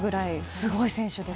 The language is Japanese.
すごい選手です。